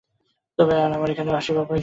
তবে আর আমার এখানে আসিবার প্রয়োজন কী।